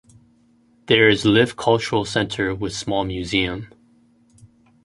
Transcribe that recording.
There is Liv cultural centre with small museum.